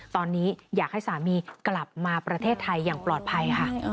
ตอนนี้อยากให้สามีกลับมาประเทศไทยอย่างปลอดภัยค่ะ